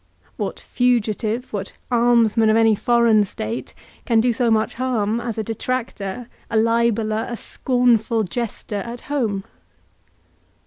What fugitive, what almsman of any foreign state, can do so much harm as a detractor, a libeller, a scornful jester at home?